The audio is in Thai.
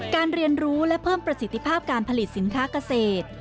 เรียนรู้และเพิ่มประสิทธิภาพการผลิตสินค้าเกษตร